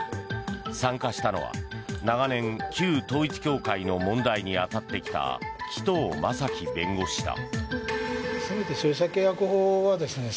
参加したのは、長年旧統一教会の問題に当たってきた紀藤正樹弁護士だ。